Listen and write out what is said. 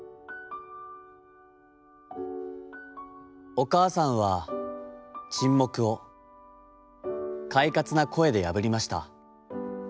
「おかあさんは沈黙を、快活な声でやぶりました。